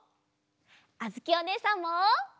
あづきおねえさんも！